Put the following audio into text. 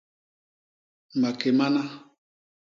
Maké mana!